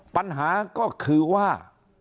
ปัญหาก็คือว่า